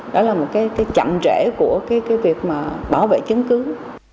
đó là một cái chặn rễ của cái việc mà bảo vệ chứng cứ